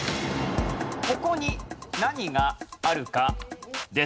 ここに何があるかです。